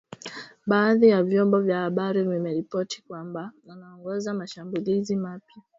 Baadhi ya vyombo vya habari vimeripoti kwamba anaongoza mashambulizi mapya.